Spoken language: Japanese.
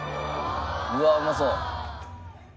うわうまそう。